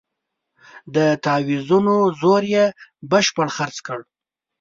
د تاویزونو زور یې بشپړ خرڅ کړ.